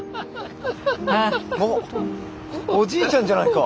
あっおじいちゃんじゃないか。